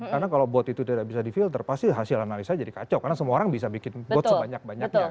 karena kalau bot itu tidak bisa di filter pasti hasil analisa jadi kacau karena semua orang bisa bikin bot sebanyak banyaknya